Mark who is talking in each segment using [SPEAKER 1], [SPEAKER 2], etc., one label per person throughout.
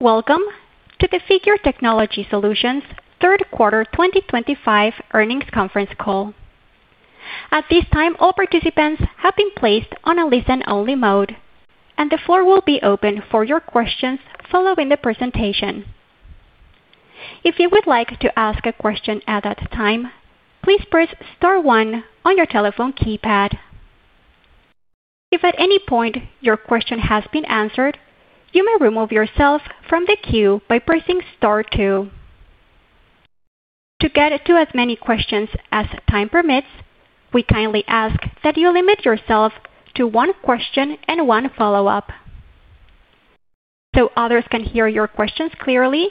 [SPEAKER 1] Welcome to the Figure Technology Solutions third quarter 2025 earnings conference call. At this time, all participants have been placed on a listen-only mode, and the floor will be open for your questions following the presentation. If you would like to ask a question at that time, please press star one on your telephone keypad. If at any point your question has been answered, you may remove yourself from the queue by pressing star two. To get to as many questions as time permits, we kindly ask that you limit yourself to one question and one follow-up. So others can hear your questions clearly,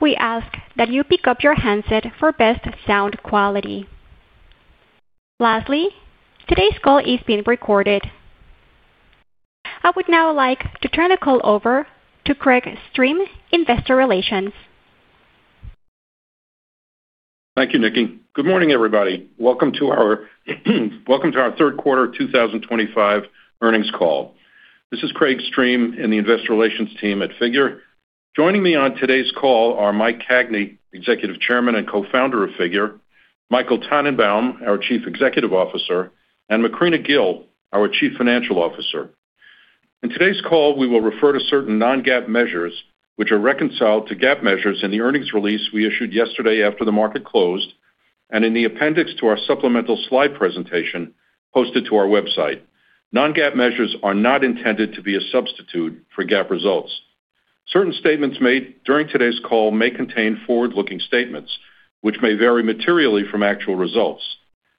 [SPEAKER 1] we ask that you pick up your handset for best sound quality. Lastly, today's call is being recorded. I would now like to turn the call over to Craig Streem, Investor Relations.
[SPEAKER 2] Thank you, Nikki. Good morning, everybody. Welcome to our third quarter 2025 earnings call. This is Craig Streem in the Investor Relations team at Figure. Joining me on today's call are Mike Cagney, Executive Chairman and Co-founder of Figure; Michael Tannenbaum, our Chief Executive Officer; and Macrina Kgil, our Chief Financial Officer. In today's call, we will refer to certain non-GAAP measures, which are reconciled to GAAP measures in the earnings release we issued yesterday after the market closed and in the appendix to our supplemental slide presentation posted to our website. Non-GAAP measures are not intended to be a substitute for GAAP results. Certain statements made during today's call may contain forward-looking statements, which may vary materially from actual results.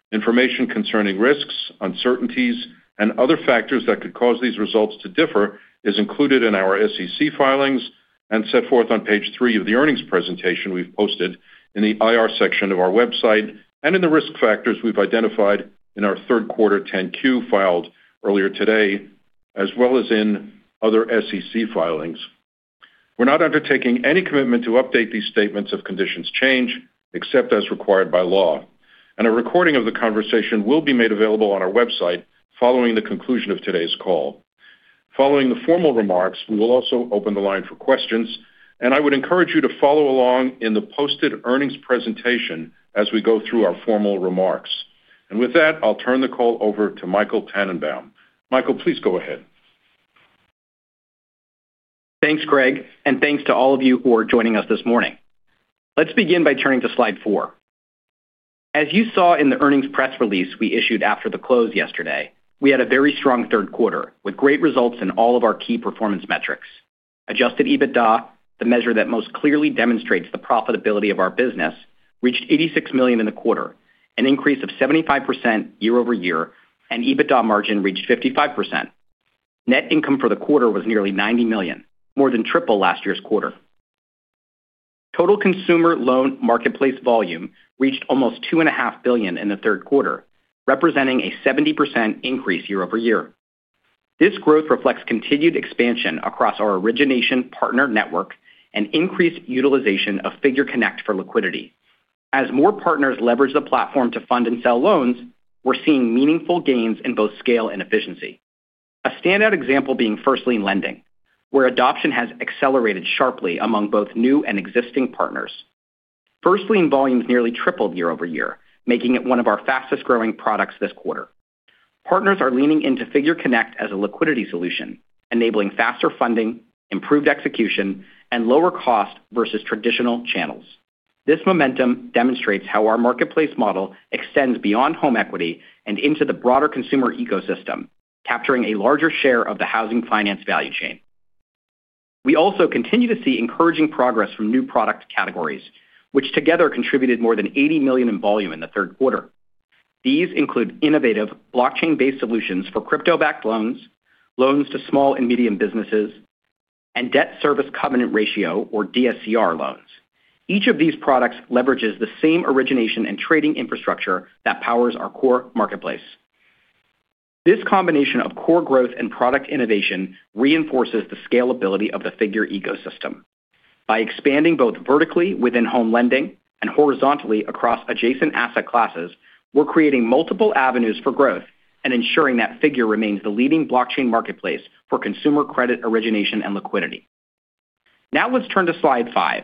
[SPEAKER 2] Information concerning risks, uncertainties, and other factors that could cause these results to differ is included in our SEC filings and set forth on page 3 of the earnings presentation we have posted in the IR section of our website and in the risk factors we have identified in our Q3 10-Q filed earlier today, as well as in other SEC filings. We are not undertaking any commitment to update these statements if conditions change, except as required by law. A recording of the conversation will be made available on our website following the conclusion of today's call. Following the formal remarks, we will also open the line for questions, and I would encourage you to follow along in the posted earnings presentation as we go through our formal remarks. With that, I will turn the call over to Michael Tannenbaum. Michael, please go ahead.
[SPEAKER 3] Thanks, Craig, and thanks to all of you who are joining us this morning. Let's begin by turning to slide 4. As you saw in the earnings press release we issued after the close yesterday, we had a very strong Q3 with great results in all of our key performance metrics. Adjusted EBITDA, the measure that most clearly demonstrates the profitability of our business, reached $86 million in the quarter, an increase of 75% year-over-year, and EBITDA margin reached 55%. Net income for the quarter was nearly $90 million, more than triple last year's quarter. Total consumer loan marketplace volume reached almost $2.5 billion in the Q3, representing a 70% increase year-over-year. This growth reflects continued expansion across our origination partner network and increased utilization of Figure Connect for liquidity. As more partners leverage the platform to fund and sell loans, we're seeing meaningful gains in both scale and efficiency. A standout example being first-lien lending, where adoption has accelerated sharply among both new and existing partners. first-lien volumes nearly tripled year-over-year, making it one of our fastest-growing products this quarter. Partners are leaning into Figure Connect as a liquidity solution, enabling faster funding, improved execution, and lower cost versus traditional channels. This momentum demonstrates how our marketplace model extends beyond home equity and into the broader consumer ecosystem, capturing a larger share of the housing finance value chain. We also continue to see encouraging progress from new product categories, which together contributed more than $80 million in volume in the Q3. These include innovative blockchain-based solutions for crypto-backed loans, loans to small and medium businesses, and debt service coverage ratio, or DSCR, loans. Each of these products leverages the same origination and trading infrastructure that powers our core marketplace. This combination of core growth and product innovation reinforces the scalability of the Figure ecosystem. By expanding both vertically within home lending and horizontally across adjacent asset classes, we're creating multiple avenues for growth and ensuring that Figure remains the leading blockchain marketplace for consumer credit origination and liquidity. Now let's turn to slide 5.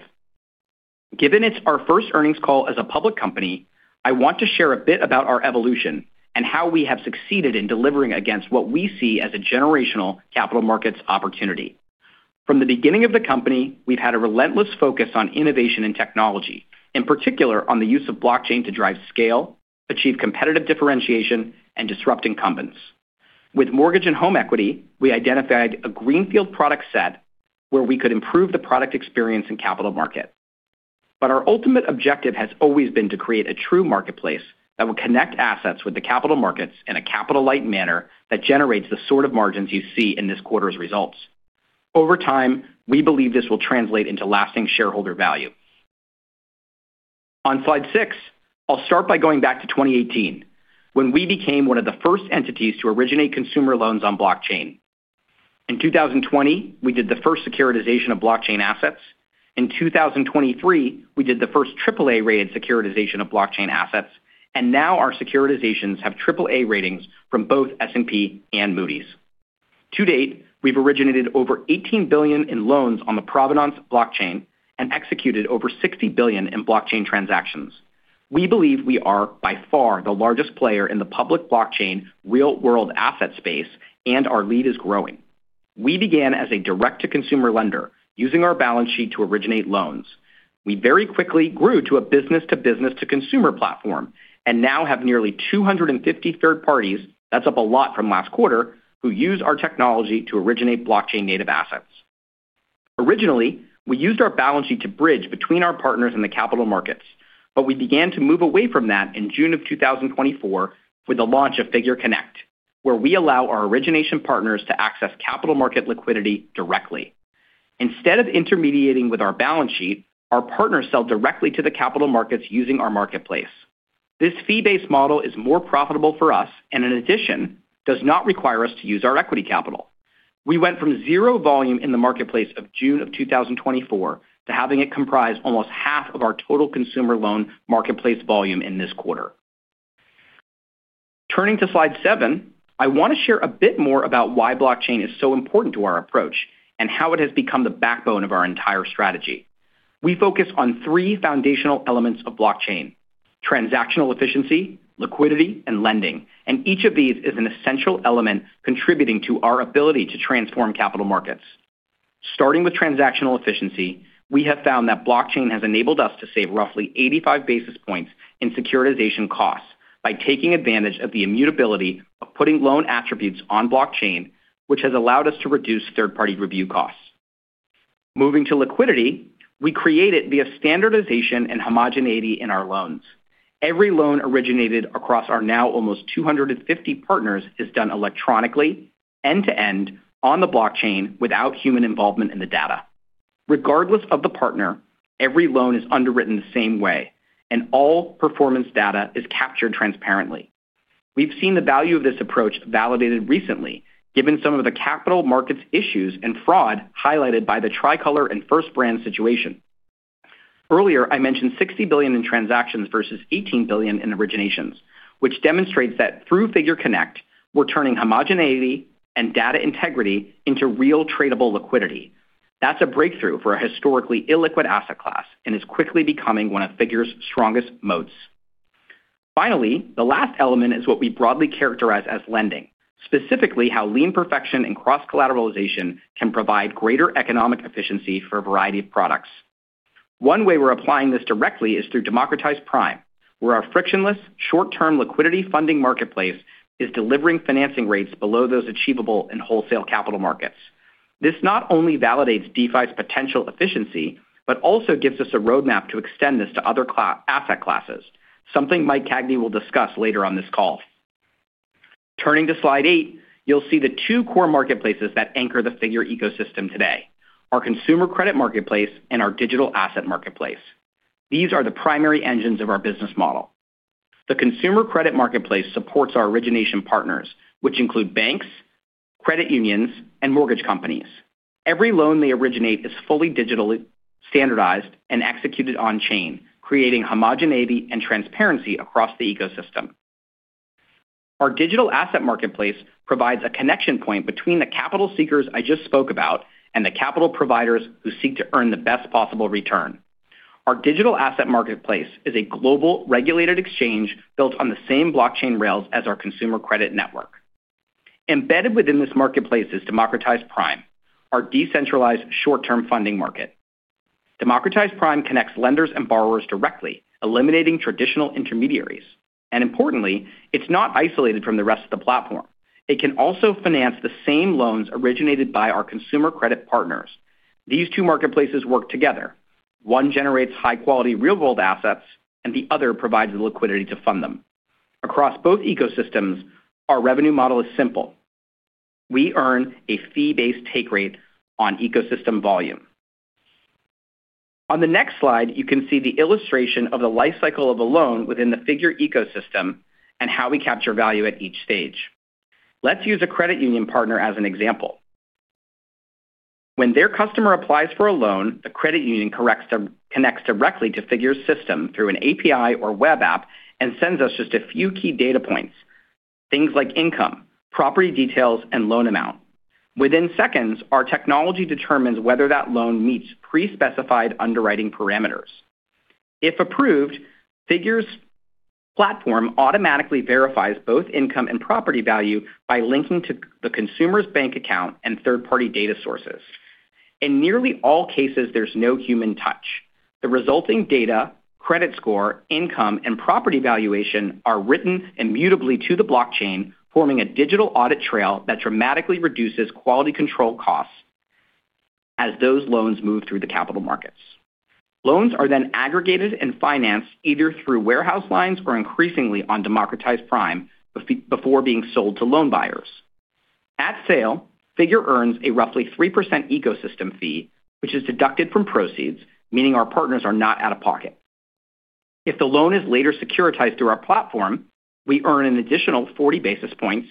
[SPEAKER 3] Given it's our first earnings call as a public company, I want to share a bit about our evolution and how we have succeeded in delivering against what we see as a generational capital markets opportunity. From the beginning of the company, we've had a relentless focus on innovation and technology, in particular on the use of blockchain to drive scale, achieve competitive differentiation, and disrupt incumbents. With mortgage and home equity, we identified a greenfield product set where we could improve the product experience and capital market. Our ultimate objective has always been to create a true marketplace that will connect assets with the capital markets in a capital-light manner that generates the sort of margins you see in this quarter's results. Over time, we believe this will translate into lasting shareholder value. On slide 6, I'll start by going back to 2018, when we became one of the first entities to originate consumer loans on blockchain. In 2020, we did the first securitization of blockchain assets. In 2023, we did the first AAA-rated securitization of blockchain assets, and now our securitizations have AAA ratings from both S&P and Moody's. To date, we've originated over $18 billion in loans on the Provenance blockchain and executed over $60 billion in blockchain transactions. We believe we are, by far, the largest player in the public blockchain real-world asset space, and our lead is growing. We began as a direct-to-consumer lender, using our balance sheet to originate loans. We very quickly grew to a business-to-business-to-consumer platform and now have nearly 250 third parties—that is up a lot from last quarter—who use our technology to originate blockchain-native assets. Originally, we used our balance sheet to bridge between our partners and the capital markets, but we began to move away from that in June of 2024 with the launch of Figure Connect, where we allow our origination partners to access capital market liquidity directly. Instead of intermediating with our balance sheet, our partners sell directly to the capital markets using our marketplace. This fee-based model is more profitable for us and, in addition, does not require us to use our equity capital. We went from zero volume in the marketplace of June of 2024 to having it comprise almost half of our total consumer loan marketplace volume in this quarter. Turning to slide 7, I want to share a bit more about why blockchain is so important to our approach and how it has become the backbone of our entire strategy. We focus on three foundational elements of blockchain: transactional efficiency, liquidity, and lending, and each of these is an essential element contributing to our ability to transform capital markets. Starting with transactional efficiency, we have found that blockchain has enabled us to save roughly 85 basis points in securitization costs by taking advantage of the immutability of putting loan attributes on blockchain, which has allowed us to reduce third-party review costs. Moving to liquidity, we create it via standardization and homogeneity in our loans. Every loan originated across our now almost 250 partners is done electronically, end-to-end, on the blockchain without human involvement in the data. Regardless of the partner, every loan is underwritten the same way, and all performance data is captured transparently. We've seen the value of this approach validated recently, given some of the capital markets issues and fraud highlighted by the Tricolor and First Brands situation. Earlier, I mentioned $60 billion in transactions versus $18 billion in originations, which demonstrates that through Figure Connect, we're turning homogeneity and data integrity into real tradable liquidity. That's a breakthrough for a historically illiquid asset class and is quickly becoming one of Figure's strongest moats. Finally, the last element is what we broadly characterize as lending, specifically how lien perfection and cross-collateralization can provide greater economic efficiency for a variety of products. One way we're applying this directly is through Democratized Prime, where our frictionless, short-term liquidity funding marketplace is delivering financing rates below those achievable in wholesale capital markets. This not only validates DeFi's potential efficiency but also gives us a roadmap to extend this to other asset classes, something Mike Cagney will discuss later on this call. Turning to slide 8, you'll see the two core marketplaces that anchor the Figure ecosystem today: our consumer credit marketplace and our digital asset marketplace. These are the primary engines of our business model. The consumer credit marketplace supports our origination partners, which include banks, credit unions, and mortgage companies. Every loan they originate is fully digitally standardized and executed on-chain, creating homogeneity and transparency across the ecosystem. Our digital asset marketplace provides a connection point between the capital seekers I just spoke about and the capital providers who seek to earn the best possible return. Our digital asset marketplace is a global regulated exchange built on the same blockchain rails as our consumer credit network. Embedded within this marketplace is Democratized Prime, our decentralized short-term funding market. Democratized Prime connects lenders and borrowers directly, eliminating traditional intermediaries. Importantly, it is not isolated from the rest of the platform. It can also finance the same loans originated by our consumer credit partners. These two marketplaces work together. One generates high-quality real-world assets, and the other provides the liquidity to fund them. Across both ecosystems, our revenue model is simple. We earn a fee-based take rate on ecosystem volume. On the next slide, you can see the illustration of the life cycle of a loan within the Figure ecosystem and how we capture value at each stage. Let's use a credit union partner as an example. When their customer applies for a loan, the credit union connects directly to Figure's system through an API or web app and sends us just a few key data points, things like income, property details, and loan amount. Within seconds, our technology determines whether that loan meets pre-specified underwriting parameters. If approved, Figure's platform automatically verifies both income and property value by linking to the consumer's bank account and third-party data sources. In nearly all cases, there's no human touch. The resulting data, credit score, income, and property valuation are written immutably to the blockchain, forming a digital audit trail that dramatically reduces quality control costs as those loans move through the capital markets. Loans are then aggregated and financed either through warehouse lines or, increasingly, on Democratized Prime before being sold to loan buyers. At sale, Figure earns a roughly 3% ecosystem fee, which is deducted from proceeds, meaning our partners are not out of pocket. If the loan is later securitized through our platform, we earn an additional 40 basis points.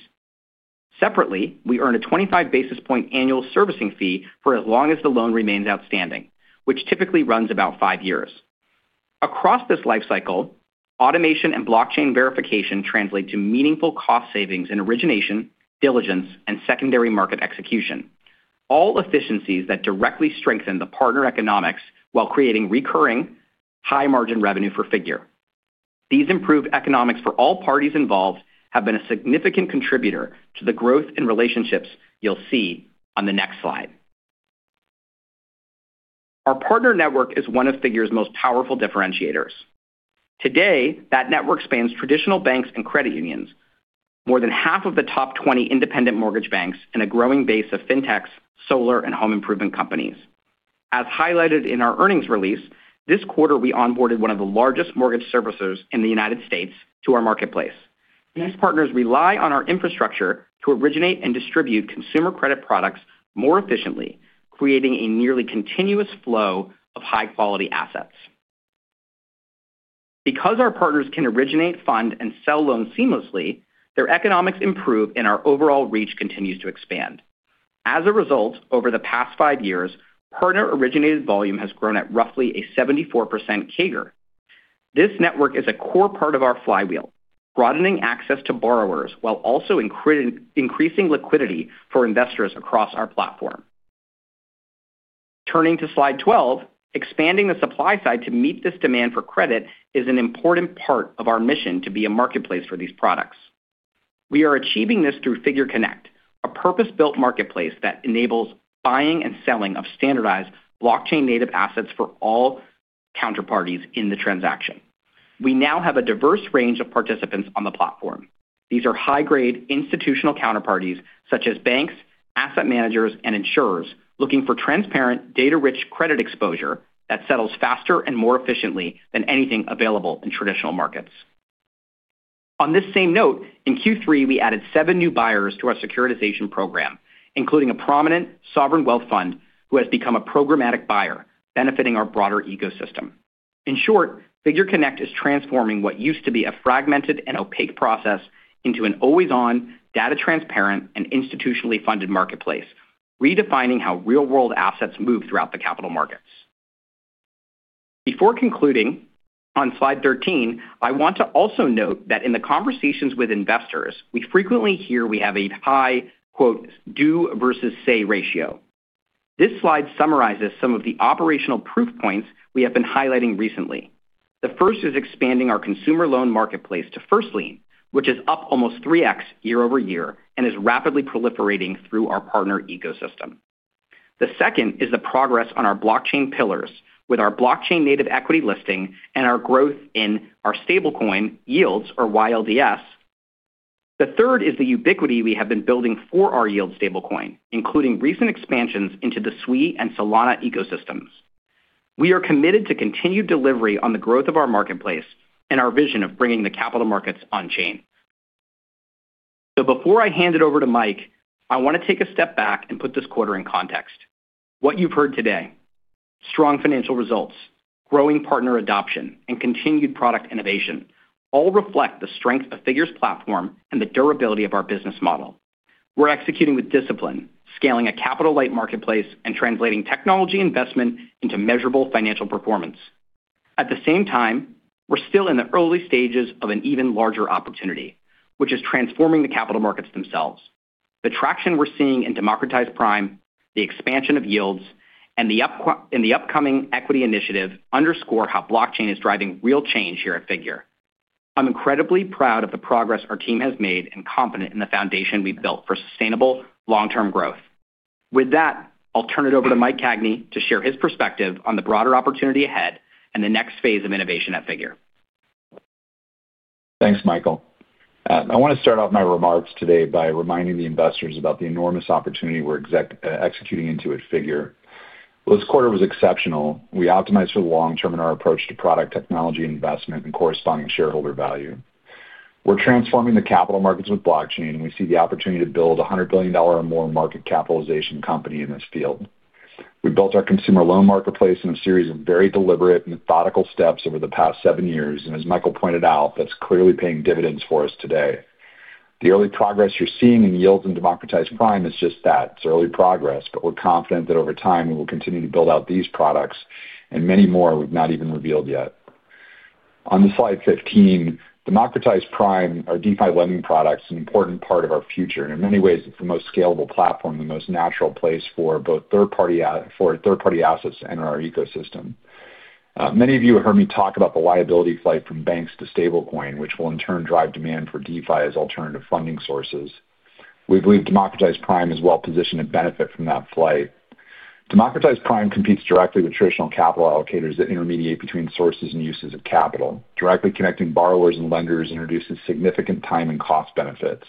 [SPEAKER 3] Separately, we earn a 25 basis point annual servicing fee for as long as the loan remains outstanding, which typically runs about 5 years. Across this life cycle, automation and blockchain verification translate to meaningful cost savings in origination, diligence, and secondary market execution, all efficiencies that directly strengthen the partner economics while creating recurring, high-margin revenue for Figure. These improved economics for all parties involved have been a significant contributor to the growth in relationships you'll see on the next slide. Our partner network is one of Figure's most powerful differentiators. Today, that network spans traditional banks and credit unions, more than half of the top 20 independent mortgage banks, and a growing base of fintechs, solar, and home improvement companies. As highlighted in our earnings release, this quarter we onboarded one of the largest mortgage servicers in the United States to our marketplace. These partners rely on our infrastructure to originate and distribute consumer credit products more efficiently, creating a nearly continuous flow of high-quality assets. Because our partners can originate, fund, and sell loans seamlessly, their economics improve and our overall reach continues to expand. As a result, over the past 5 years, partner originated volume has grown at roughly a 74% CAGR. This network is a core part of our flywheel, broadening access to borrowers while also increasing liquidity for investors across our platform. Turning to slide 12, expanding the supply side to meet this demand for credit is an important part of our mission to be a marketplace for these products. We are achieving this through Figure Connect, a purpose-built marketplace that enables buying and selling of standardized blockchain-native assets for all counterparties in the transaction. We now have a diverse range of participants on the platform. These are high-grade institutional counterparties such as banks, asset managers, and insurers looking for transparent, data-rich credit exposure that settles faster and more efficiently than anything available in traditional markets. On this same note, in Q3, we added seven new buyers to our securitization program, including a prominent sovereign wealth fund who has become a programmatic buyer, benefiting our broader ecosystem. In short, Figure Connect is transforming what used to be a fragmented and opaque process into an always-on, data-transparent, and institutionally funded marketplace, redefining how real-world assets move throughout the capital markets. Before concluding, on slide 13, I want to also note that in the conversations with investors, we frequently hear we have a high "do versus say" ratio. This slide summarizes some of the operational proof points we have been highlighting recently. The first is expanding our consumer loan marketplace to first-line, which is up almost 3x year-over-year and is rapidly proliferating through our partner ecosystem. The second is the progress on our blockchain pillars with our blockchain-native equity listing and our growth in our stablecoin YLDS, or YLDS. The third is the ubiquity we have been building for our YLDS stablecoin, including recent expansions into the Sui and Solana ecosystems. We are committed to continued delivery on the growth of our marketplace and our vision of bringing the capital markets on-chain. Before I hand it over to Mike, I want to take a step back and put this quarter in context. What you've heard today—strong financial results, growing partner adoption, and continued product innovation—all reflect the strength of Figure's platform and the durability of our business model. We're executing with discipline, scaling a capital-light marketplace, and translating technology investment into measurable financial performance. At the same time, we're still in the early stages of an even larger opportunity, which is transforming the capital markets themselves. The traction we're seeing in Democratized Prime, the expansion of YLDS, and the upcoming equity initiative underscore how blockchain is driving real change here at Figure. I'm incredibly proud of the progress our team has made and confident in the foundation we've built for sustainable, long-term growth. With that, I'll turn it over to Mike Cagney to share his perspective on the broader opportunity ahead and the next phase of innovation at Figure.
[SPEAKER 4] Thanks, Michael. I want to start off my remarks today by reminding the investors about the enormous opportunity we're executing into at Figure. This quarter was exceptional. We optimized for the long term in our approach to product technology investment and corresponding shareholder value. We're transforming the capital markets with blockchain, and we see the opportunity to build a $100 billion or more market capitalization company in this field. We built our consumer loan marketplace in a series of very deliberate, methodical steps over the past seven years, and as Michael pointed out, that's clearly paying dividends for us today. The early progress you're seeing in YLDS and Democratized Prime is just that. It's early progress, but we're confident that over time we will continue to build out these products and many more we've not even revealed yet. On the slide 15, Democratized Prime, our DeFi lending products, is an important part of our future, and in many ways, it's the most scalable platform, the most natural place for both third-party assets and our ecosystem. Many of you have heard me talk about the liability flight from banks to stablecoin, which will in turn drive demand for DeFi as alternative funding sources. We believe Democratized Prime is well positioned to benefit from that flight. Democratized Prime competes directly with traditional capital allocators that intermediate between sources and uses of capital. Directly connecting borrowers and lenders introduces significant time and cost benefits.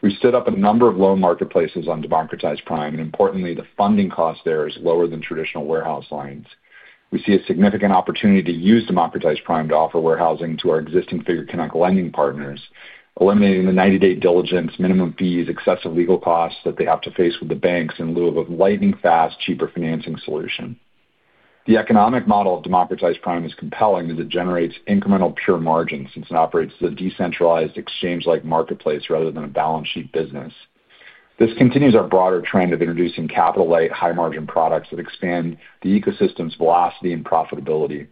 [SPEAKER 4] We've stood up a number of loan marketplaces on Democratized Prime, and importantly, the funding cost there is lower than traditional warehouse lines. We see a significant opportunity to use Democratized Prime to offer warehousing to our existing Figure Connect lending partners, eliminating the 90-day diligence, minimum fees, excessive legal costs that they have to face with the banks in lieu of a lightning-fast, cheaper financing solution. The economic model of Democratized Prime is compelling as it generates incremental pure margins since it operates as a decentralized, exchange-like marketplace rather than a balance sheet business. This continues our broader trend of introducing capital-light, high-margin products that expand the ecosystem's velocity and profitability.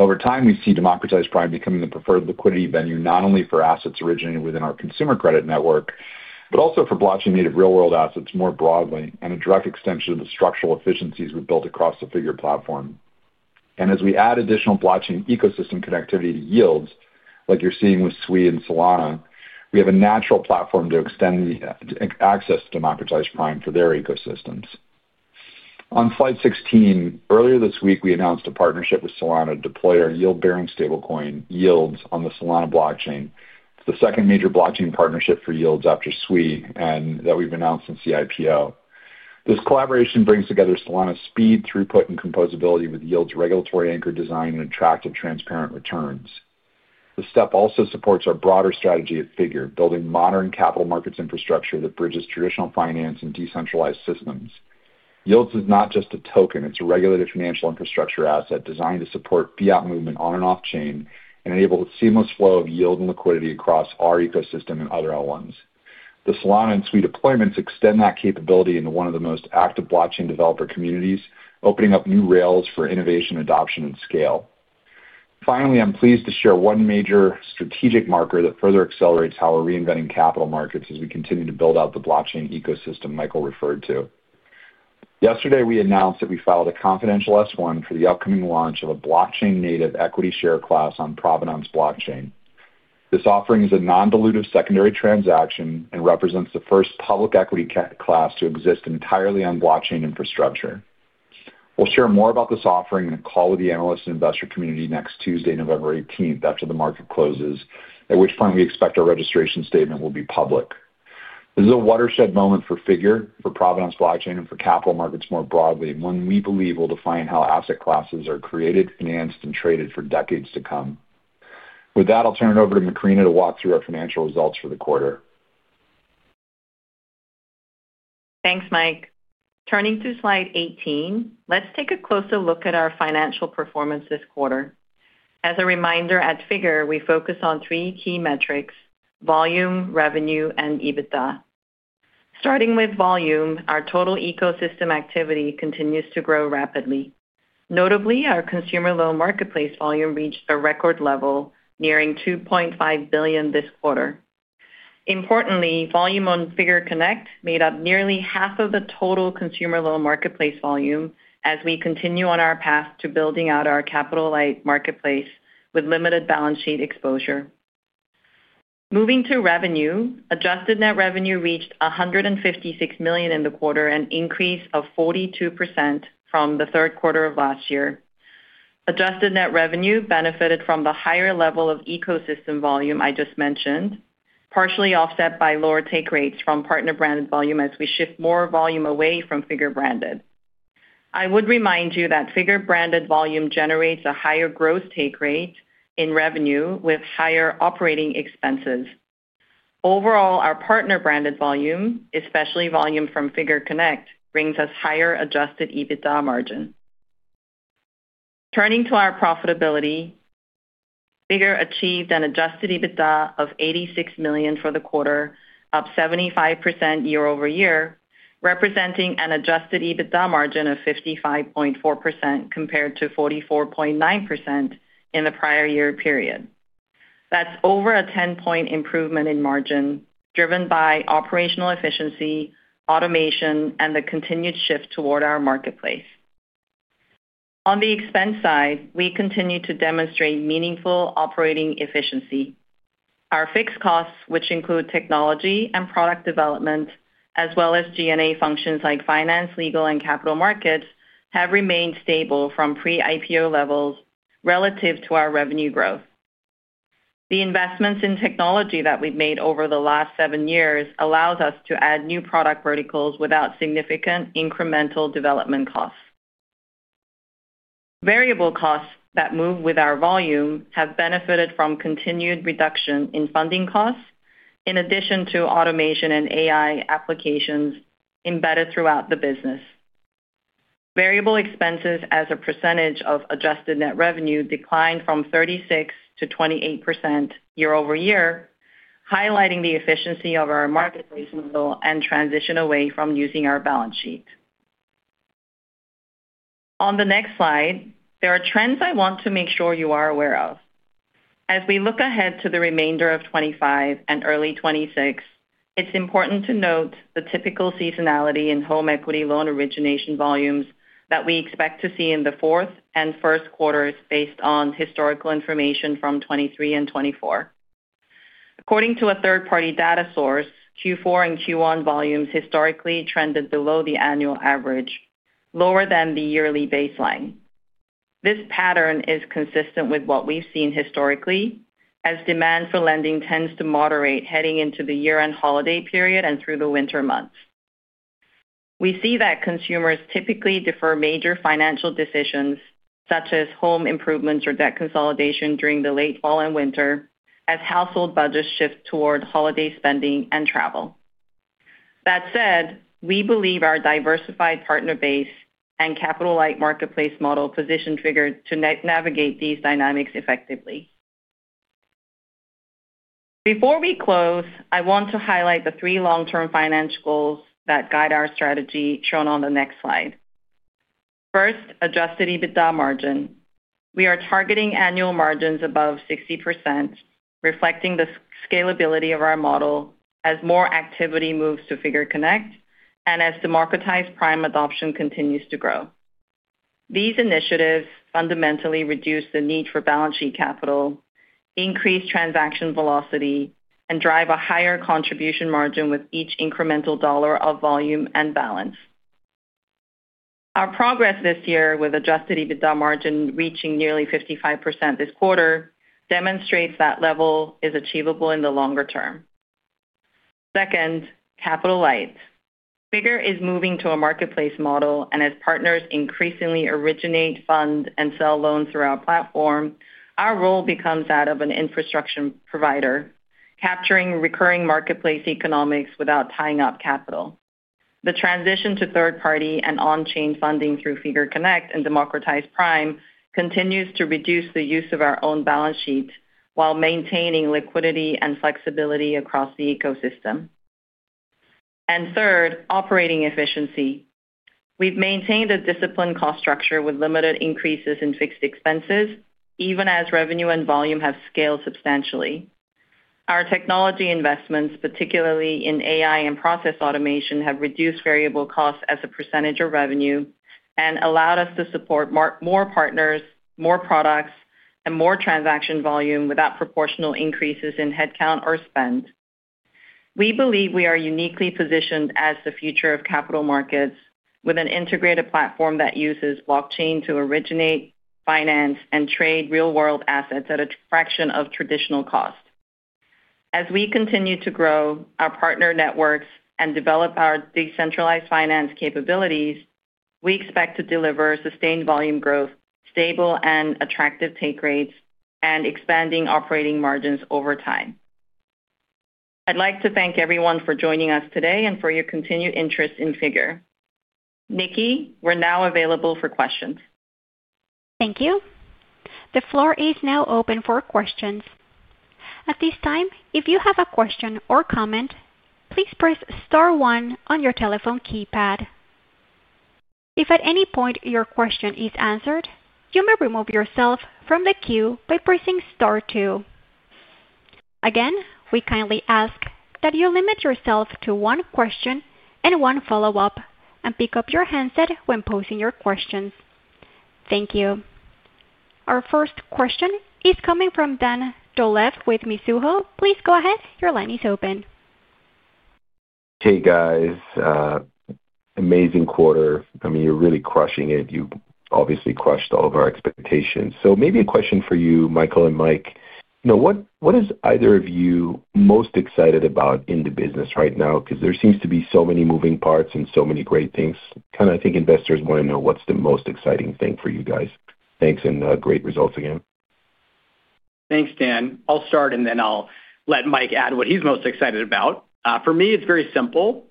[SPEAKER 4] Over time, we see Democratized Prime becoming the preferred liquidity venue not only for assets originated within our consumer credit network but also for blockchain-native real-world assets more broadly and a direct extension of the structural efficiencies we have built across the Figure platform. As we add additional blockchain ecosystem connectivity to YLDS, like you are seeing with Sui and Solana, we have a natural platform to extend access to Democratized Prime for their ecosystems. On slide 16, earlier this week, we announced a partnership with Solana to deploy our yield-bearing stablecoin, YLDS, on the Solana blockchain. It's the second major blockchain partnership for YLDS after Sui and that we've announced since the IPO. This collaboration brings together Solana's speed, throughput, and composability with YLDS' regulatory anchor design and attractive transparent returns. The step also supports our broader strategy at Figure, building modern capital markets infrastructure that bridges traditional finance and decentralized systems. YLDS is not just a token; it's a regulated financial infrastructure asset designed to support fiat movement on and off-chain and enable a seamless flow of yield and liquidity across our ecosystem and other LLMs. The Solana and Sui deployments extend that capability into one of the most active blockchain developer communities, opening up new rails for innovation, adoption, and scale. Finally, I'm pleased to share one major strategic marker that further accelerates how we're reinventing capital markets as we continue to build out the blockchain ecosystem Michael referred to. Yesterday, we announced that we filed a confidential S-1 for the upcoming launch of a blockchain-native equity share class on Provenance blockchain. This offering is a non-dilutive secondary transaction and represents the first public equity class to exist entirely on blockchain infrastructure. We'll share more about this offering in a call with the analysts and investor community next Tuesday, November 18th, after the market closes, at which point we expect our registration statement will be public. This is a watershed moment for Figure, for Provenance blockchain, and for capital markets more broadly, one we believe will define how asset classes are created, financed, and traded for decades to come. With that, I'll turn it over to Macrina to walk through our financial results for the quarter.
[SPEAKER 5] Thanks, Mike. Turning to slide 18, let's take a closer look at our financial performance this quarter. As a reminder, at Figure, we focus on three key metrics: volume, revenue, and EBITDA. Starting with volume, our total ecosystem activity continues to grow rapidly. Notably, our consumer loan marketplace volume reached a record level, nearing $2.5 billion this quarter. Importantly, volume on Figure Connect made up nearly half of the total consumer loan marketplace volume as we continue on our path to building out our capital-light marketplace with limited balance sheet exposure. Moving to revenue, adjusted net revenue reached $156 million in the quarter, an increase of 42% from the third quarter of last year. Adjusted net revenue benefited from the higher level of ecosystem volume I just mentioned, partially offset by lower take rates from partner-branded volume as we shift more volume away from Figure-branded. I would remind you that Figure-branded volume generates a higher gross take rate in revenue with higher operating expenses. Overall, our partner-branded volume, especially volume from Figure Connect, brings us higher adjusted EBITDA margin. Turning to our profitability, Figure achieved an adjusted EBITDA of $86 million for the quarter, up 75% year-over-year, representing an adjusted EBITDA margin of 55.4% compared to 44.9% in the prior year period. That is over a 10-point improvement in margin driven by operational efficiency, automation, and the continued shift toward our marketplace. On the expense side, we continue to demonstrate meaningful operating efficiency. Our fixed costs, which include technology and product development, as well as G&A functions like finance, legal, and capital markets, have remained stable from pre-IPO levels relative to our revenue growth. The investments in technology that we have made over the last seven years allow us to add new product verticals without significant incremental development costs. Variable costs that move with our volume have benefited from continued reduction in funding costs, in addition to automation and AI applications embedded throughout the business. Variable expenses as a percentage of adjusted net revenue declined from 36% to 28% year-over-year, highlighting the efficiency of our marketplace model and transition away from using our balance sheet. On the next slide, there are trends I want to make sure you are aware of. As we look ahead to the remainder of 2025 and early 2026, it's important to note the typical seasonality in home equity loan origination volumes that we expect to see in the fourth and first quarters based on historical information from 2023 and 2024. According to a third-party data source, Q4 and Q1 volumes historically trended below the annual average, lower than the yearly baseline. This pattern is consistent with what we've seen historically, as demand for lending tends to moderate heading into the year-end holiday period and through the winter months. We see that consumers typically defer major financial decisions, such as home improvements or debt consolidation during the late fall and winter, as household budgets shift toward holiday spending and travel. That said, we believe our diversified partner base and capital-light marketplace model position Figure to navigate these dynamics effectively. Before we close, I want to highlight the three long-term financial goals that guide our strategy shown on the next slide. First, adjusted EBITDA margin. We are targeting annual margins above 60%, reflecting the scalability of our model as more activity moves to Figure Connect and as Democratized Prime adoption continues to grow. These initiatives fundamentally reduce the need for balance sheet capital, increase transaction velocity, and drive a higher contribution margin with each incremental dollar of volume and balance. Our progress this year, with adjusted EBITDA margin reaching nearly 55% this quarter, demonstrates that level is achievable in the longer term. Second, capital light. Figure is moving to a marketplace model, and as partners increasingly originate, fund, and sell loans through our platform, our role becomes that of an infrastructure provider, capturing recurring marketplace economics without tying up capital. The transition to third-party and on-chain funding through Figure Connect and Democratized Prime continues to reduce the use of our own balance sheet while maintaining liquidity and flexibility across the ecosystem. Third, operating efficiency. We've maintained a disciplined cost structure with limited increases in fixed expenses, even as revenue and volume have scaled substantially. Our technology investments, particularly in AI and process automation, have reduced variable costs as a percentage of revenue and allowed us to support more partners, more products, and more transaction volume without proportional increases in headcount or spend. We believe we are uniquely positioned as the future of capital markets, with an integrated platform that uses blockchain to originate, finance, and trade real-world assets at a fraction of traditional cost. As we continue to grow our partner networks and develop our decentralized finance capabilities, we expect to deliver sustained volume growth, stable and attractive take rates, and expanding operating margins over time. I'd like to thank everyone for joining us today and for your continued interest in Figure. Nikki, we're now available for questions.
[SPEAKER 1] Thank you. The floor is now open for questions. At this time, if you have a question or comment, please press star one on your telephone keypad. If at any point your question is answered, you may remove yourself from the queue by pressing star two. Again, we kindly ask that you limit yourself to one question and one follow-up, and pick up your handset when posing your questions. Thank you. Our first question is coming from Dan Dolev with Mizuho. Please go ahead. Your line is open.
[SPEAKER 6] Hey, guys. Amazing quarter. I mean, you're really crushing it. You obviously crushed all of our expectations. Maybe a question for you, Michael and Mike. What is either of you most excited about in the business right now? Because there seem to be so many moving parts and so many great things. Kind of, I think investors want to know what's the most exciting thing for you guys. Thanks, and great results again.
[SPEAKER 3] Thanks, Dan. I'll start, and then I'll let Mike add what he's most excited about. For me, it's very simple.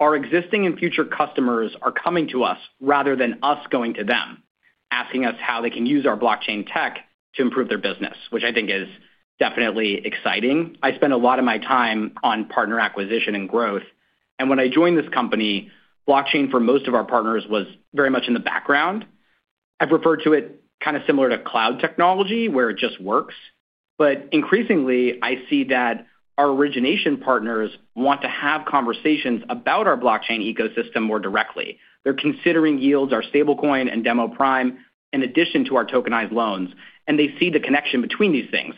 [SPEAKER 3] Our existing and future customers are coming to us rather than us going to them, asking us how they can use our blockchain tech to improve their business, which I think is definitely exciting. I spend a lot of my time on partner acquisition and growth. When I joined this company, blockchain for most of our partners was very much in the background. I've referred to it kind of similar to cloud technology, where it just works. Increasingly, I see that our origination partners want to have conversations about our blockchain ecosystem more directly. They're considering YLDS, our stablecoin, and Democratized Prime, in addition to our tokenized loans. They see the connection between these things.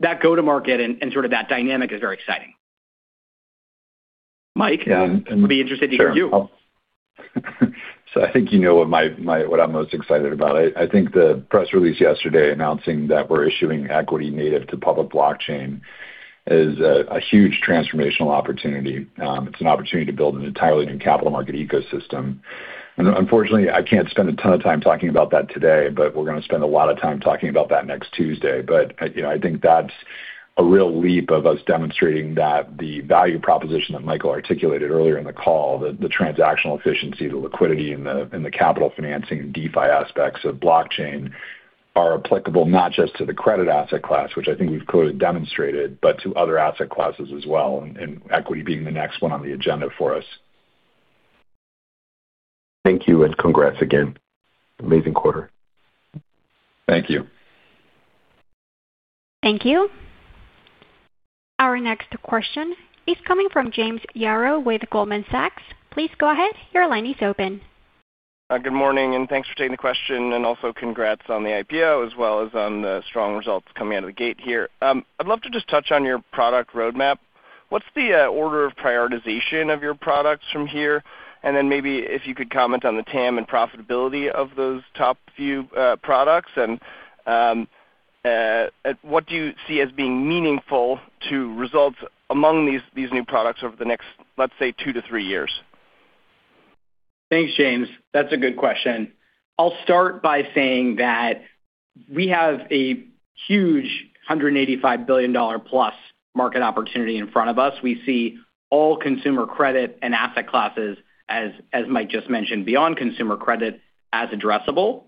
[SPEAKER 3] That go-to-market and sort of that dynamic is very exciting. Mike, I'll be interested to hear you.
[SPEAKER 4] I think you know what I'm most excited about. I think the press release yesterday announcing that we're issuing equity native to public blockchain is a huge transformational opportunity. It's an opportunity to build an entirely new capital market ecosystem. Unfortunately, I can't spend a ton of time talking about that today, but we're going to spend a lot of time talking about that next Tuesday. I think that's a real leap of us demonstrating that the value proposition that Michael articulated earlier in the call, the transactional efficiency, the liquidity, and the capital financing and DeFi aspects of blockchain are applicable not just to the credit asset class, which I think we've clearly demonstrated, but to other asset classes as well, and equity being the next one on the agenda for us.
[SPEAKER 6] Thank you, and congrats again. Amazing quarter.
[SPEAKER 4] Thank you.
[SPEAKER 1] Thank you. Our next question is coming from James Yarrow with Goldman Sachs. Please go ahead. Your line is open.
[SPEAKER 7] Good morning, and thanks for taking the question. Also, congrats on the IPO, as well as on the strong results coming out of the gate here. I'd love to just touch on your product roadmap. What's the order of prioritization of your products from here? Maybe if you could comment on the TAM and profitability of those top few products. What do you see as being meaningful to results among these new products over the next, let's say, 2-3 years?
[SPEAKER 3] Thanks, James. That's a good question. I'll start by saying that we have a huge $185 billion+ market opportunity in front of us. We see all consumer credit and asset classes, as Mike just mentioned, beyond consumer credit as addressable.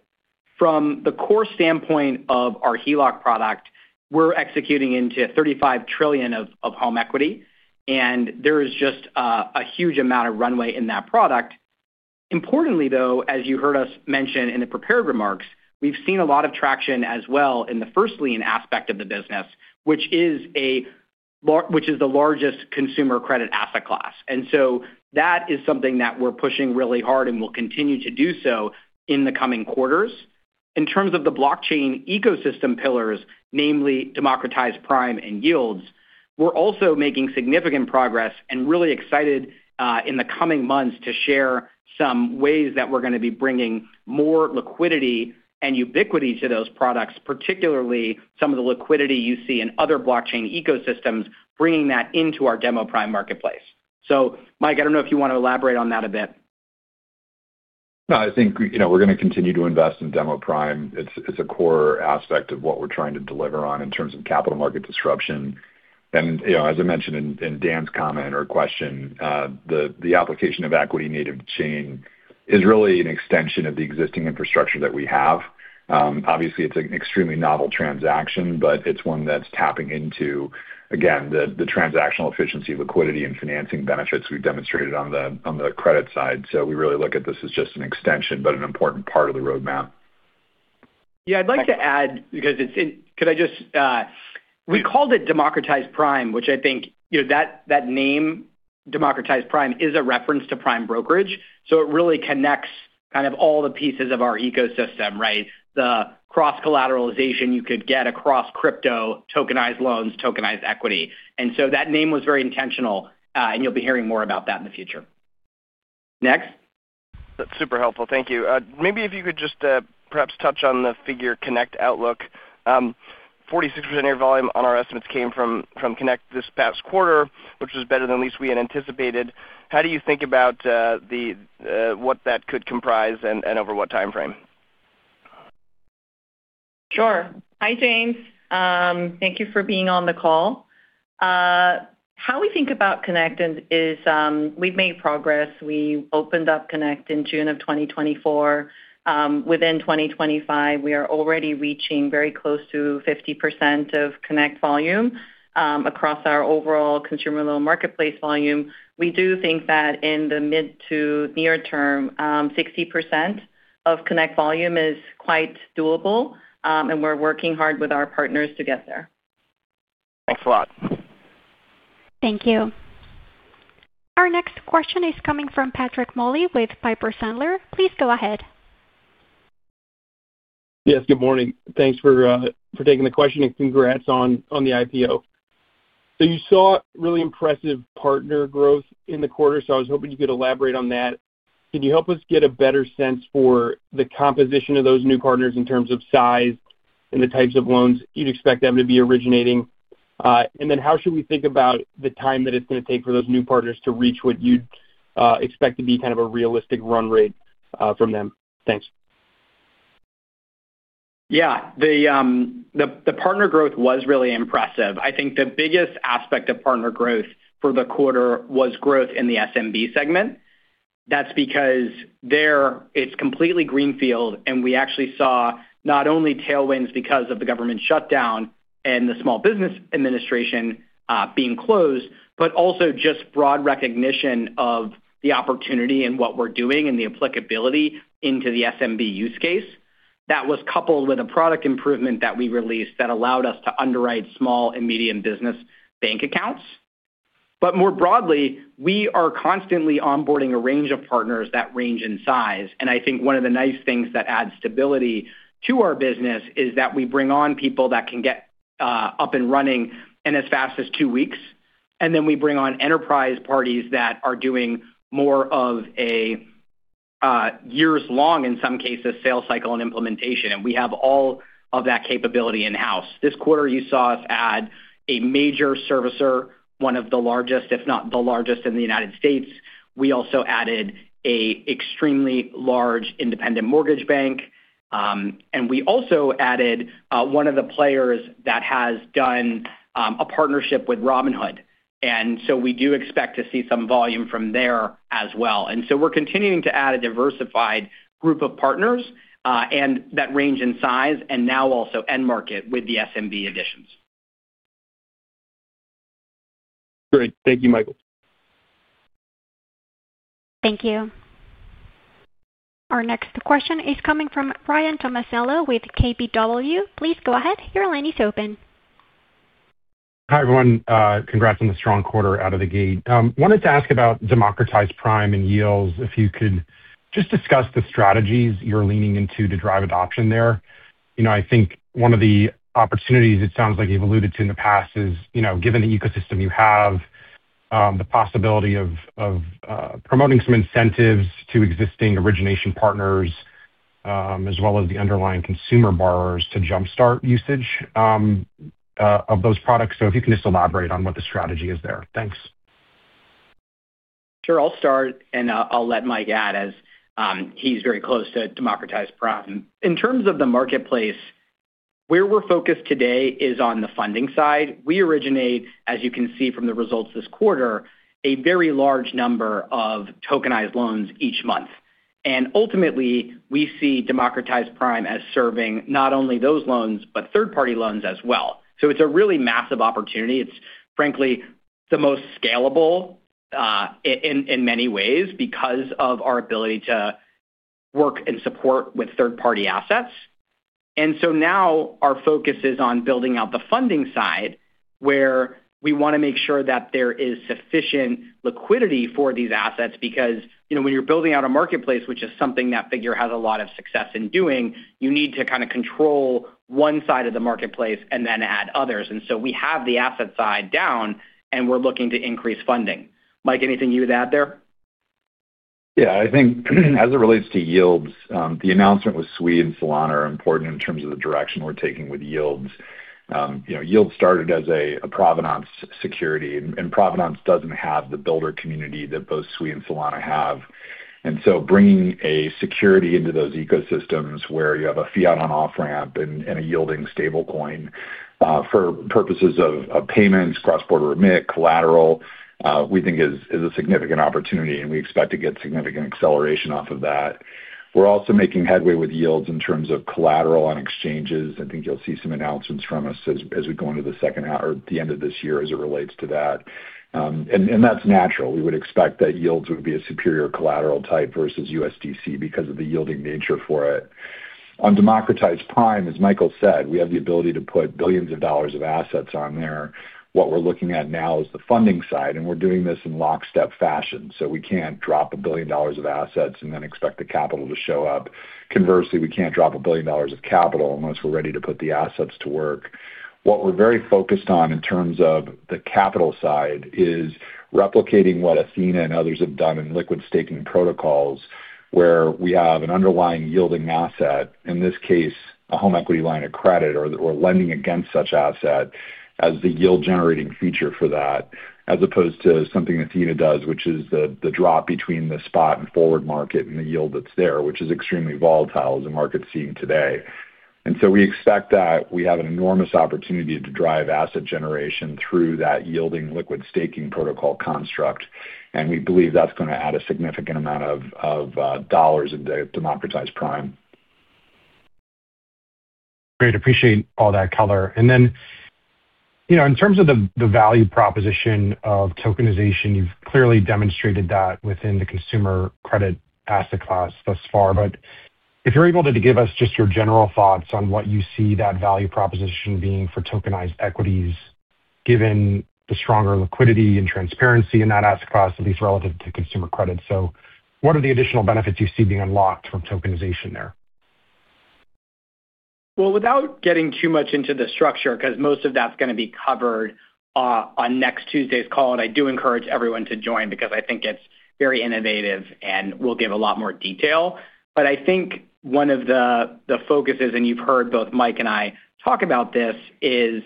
[SPEAKER 3] From the core standpoint of our HELOC product, we're executing into $35 trillion of home equity. There is just a huge amount of runway in that product. Importantly, though, as you heard us mention in the prepared remarks, we've seen a lot of traction as well in the first-lien aspect of the business, which is the largest consumer credit asset class. That is something that we're pushing really hard and will continue to do so in the coming quarters. In terms of the blockchain ecosystem pillars, namely Democratized Prime and YLDS, we're also making significant progress and really excited in the coming months to share some ways that we're going to be bringing more liquidity and ubiquity to those products, particularly some of the liquidity you see in other blockchain ecosystems, bringing that into our Demo Prime marketplace. Mike, I don't know if you want to elaborate on that a bit.
[SPEAKER 4] No, I think we're going to continue to invest in Demo Prime. It's a core aspect of what we're trying to deliver on in terms of capital market disruption. As I mentioned in Dan's comment or question, the application of equity native chain is really an extension of the existing infrastructure that we have. Obviously, it's an extremely novel transaction, but it's one that's tapping into, again, the transactional efficiency, liquidity, and financing benefits we've demonstrated on the credit side. We really look at this as just an extension, but an important part of the roadmap.
[SPEAKER 3] Yeah, I'd like to add, because it's in, could I just, we called it Democratized Prime, which I think that name, Democratized Prime, is a reference to prime brokerage. It really connects kind of all the pieces of our ecosystem, right? The cross-collateralization you could get across crypto, tokenized loans, tokenized equity. That name was very intentional, and you'll be hearing more about that in the future. Next.
[SPEAKER 7] That's super helpful. Thank you. Maybe if you could just perhaps touch on the Figure Connect outlook. 46% of your volume on our estimates came from Connect this past quarter, which was better than at least we had anticipated. How do you think about what that could comprise and over what timeframe?
[SPEAKER 5] Sure. Hi, James. Thank you for being on the call. How we think about Connect is we've made progress. We opened up Connect in June of 2024. Within 2025, we are already reaching very close to 50% of Connect volume across our overall consumer loan marketplace volume. We do think that in the mid to near term, 60% of Connect volume is quite doable, and we're working hard with our partners to get there.
[SPEAKER 7] Thanks a lot.
[SPEAKER 1] Thank you. Our next question is coming from Patrick Moley with Piper Sandler. Please go ahead.
[SPEAKER 8] Yes, good morning. Thanks for taking the question and congrats on the IPO. You saw really impressive partner growth in the quarter, so I was hoping you could elaborate on that. Can you help us get a better sense for the composition of those new partners in terms of size and the types of loans you'd expect them to be originating? How should we think about the time that it's going to take for those new partners to reach what you'd expect to be kind of a realistic run rate from them? Thanks.
[SPEAKER 3] Yeah. The partner growth was really impressive. I think the biggest aspect of partner growth for the quarter was growth in the SMB segment. That's because there, it's completely greenfield, and we actually saw not only tailwinds because of the government shutdown and the Small Business Administration being closed, but also just broad recognition of the opportunity and what we're doing and the applicability into the SMB use case. That was coupled with a product improvement that we released that allowed us to underwrite small and medium business bank accounts. More broadly, we are constantly onboarding a range of partners that range in size. I think one of the nice things that adds stability to our business is that we bring on people that can get up and running in as fast as two weeks. We bring on enterprise parties that are doing more of a years-long, in some cases, sales cycle and implementation. We have all of that capability in-house. This quarter, you saw us add a major servicer, one of the largest, if not the largest in the United States. We also added an extremely large independent mortgage bank. We also added one of the players that has done a partnership with Robinhood. We do expect to see some volume from there as well. We are continuing to add a diversified group of partners that range in size, and now also end market with the SMB additions.
[SPEAKER 8] Great. Thank you, Michael.
[SPEAKER 1] Thank you. Our next question is coming from Ryan Tomasello with KBW. Please go ahead. Your line is open.
[SPEAKER 9] Hi everyone. Congrats on the strong quarter out of the gate. Wanted to ask about Democratized Prime and YLDS, if you could just discuss the strategies you're leaning into to drive adoption there. I think one of the opportunities it sounds like you've alluded to in the past is, given the ecosystem you have, the possibility of promoting some incentives to existing origination partners, as well as the underlying consumer borrowers to jump-start usage of those products. If you can just elaborate on what the strategy is there. Thanks.
[SPEAKER 3] Sure. I'll start, and I'll let Mike add, as he's very close to Democratized Prime. In terms of the marketplace, where we're focused today is on the funding side. We originate, as you can see from the results this quarter, a very large number of tokenized loans each month. Ultimately, we see Democratized Prime as serving not only those loans, but third-party loans as well. It's a really massive opportunity. It's, frankly, the most scalable in many ways because of our ability to work and support with third-party assets. Our focus is now on building out the funding side, where we want to make sure that there is sufficient liquidity for these assets because when you're building out a marketplace, which is something that Figure has a lot of success in doing, you need to kind of control one side of the marketplace and then add others. We have the asset side down, and we're looking to increase funding. Mike, anything you would add there?
[SPEAKER 4] Yeah. I think as it relates to YLDS, the announcement with Sui and Solana are important in terms of the direction we're taking with YLDS. YLDS started as a Provenance security, and Provenance does not have the builder community that both Sui and Solana have. Bringing a security into those ecosystems where you have a fiat on-off ramp and a yielding stablecoin for purposes of payments, cross-border remit, collateral, we think is a significant opportunity, and we expect to get significant acceleration off of that. We're also making headway with YLDS in terms of collateral on exchanges. I think you'll see some announcements from us as we go into the second half or the end of this year as it relates to that. That's natural. We would expect that YLDS would be a superior collateral type versus USDC because of the yielding nature for it. On Democratized Prime, as Michael said, we have the ability to put billions of dollars of assets on there. What we're looking at now is the funding side, and we're doing this in lockstep fashion. We can't drop a billion dollars of assets and then expect the capital to show up. Conversely, we can't drop a billion dollars of capital unless we're ready to put the assets to work. What we're very focused on in terms of the capital side is replicating what Athena and others have done in liquid staking protocols, where we have an underlying yielding asset, in this case, a home equity line of credit or lending against such asset as the yield-generating feature for that, as opposed to something Athena does, which is the drop between the spot and forward market and the yield that's there, which is extremely volatile as a market scene today. We expect that we have an enormous opportunity to drive asset generation through that yielding liquid staking protocol construct. We believe that's going to add a significant amount of dollars into Democratized Prime.
[SPEAKER 9] Great. Appreciate all that color. In terms of the value proposition of tokenization, you've clearly demonstrated that within the consumer credit asset class thus far. If you're able to give us just your general thoughts on what you see that value proposition being for tokenized equities, given the stronger liquidity and transparency in that asset class, at least relative to consumer credit. What are the additional benefits you see being unlocked from tokenization there?
[SPEAKER 3] Without getting too much into the structure, because most of that's going to be covered on next Tuesday's call, I do encourage everyone to join because I think it's very innovative and will give a lot more detail. I think one of the focuses, and you've heard both Mike and I talk about this, is